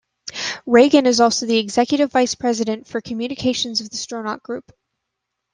Regan is also the executive vice president for communications of the Stronach Group.